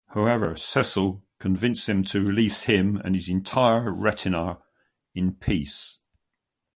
However, Cyril convinced them to "release him and his entire retinue in peace".